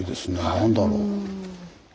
何だろう。